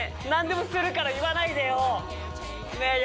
何でもするから言わないでよね